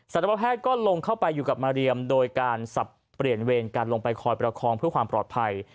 ตวแพทย์ก็ลงเข้าไปอยู่กับมาเรียมโดยการสับเปลี่ยนเวรการลงไปคอยประคองเพื่อความปลอดภัย